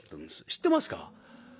知ってますか？